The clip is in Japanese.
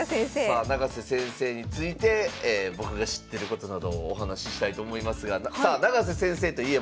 さあ永瀬先生について僕が知ってることなどをお話ししたいと思いますがさあ永瀬先生といえばですね